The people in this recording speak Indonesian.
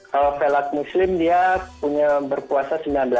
kalau velag muslim dia punya berpuasa sembilan belas jam